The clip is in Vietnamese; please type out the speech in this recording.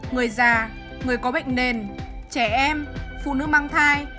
người già người có bệnh nền trẻ em phụ nữ mang thai